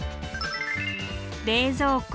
冷蔵庫